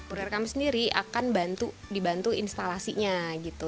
purir kami sendiri akan dibantu instalasinya gitu